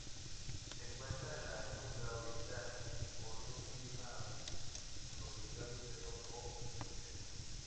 Se encuentra en la Yunga oriental, con un clima subtropical húmedo o semiseco.